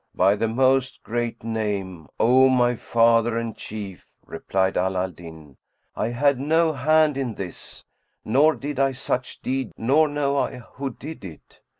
"By the Most Great Name, O my father and chief," replied Ala al Din, "I had no hand in this, nor did I such deed, nor know I who did it."